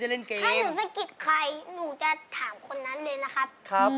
ถ้าหนูสะกิดใครหนูจะถามคนนั้นเลยนะครับ